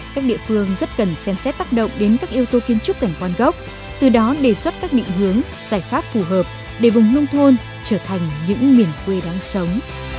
các địa phương rất cần xem xét tác động đến các yếu tố kiến trúc cảnh quan gốc từ đó đề xuất các định hướng giải pháp phù hợp để vùng nông thôn trở thành những miền quê đáng sống